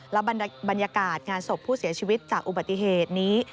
และบรรยากาศงานศพผู้เสียชีวิตจากอุบัติเหตุนี้